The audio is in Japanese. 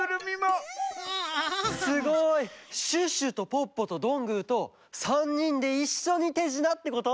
すごい！シュッシュとポッポとどんぐーと３にんでいっしょにてじなってこと？